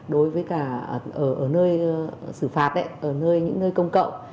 đối với cả ở nơi xử phạt đấy ở nơi những nơi công cậu